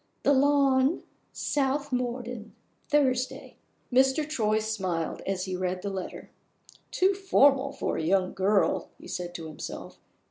The Lawn, South Morden. Thursday." Mr. Troy smiled as he read the letter. "Too formal for a young girl!" he said to himself.